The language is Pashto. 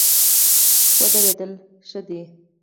ودرېدل ښه دی.